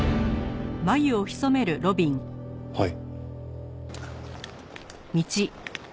はい。